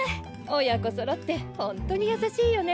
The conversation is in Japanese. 親子そろってホントにやさしいよね。